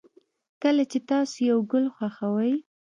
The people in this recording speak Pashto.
کله چې تاسو یو گل خوښوئ